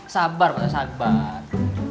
sabar pak sabar